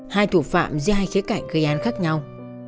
hai thủ phạm dưới hai khía cạnh gây án khác nhau